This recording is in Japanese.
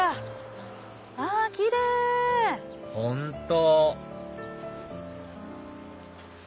本当！